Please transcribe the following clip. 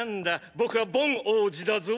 僕はボン王子だぞ。